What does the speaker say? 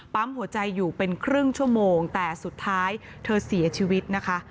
หัวใจอยู่เป็นครึ่งชั่วโมงแต่สุดท้ายเธอเสียชีวิตนะคะ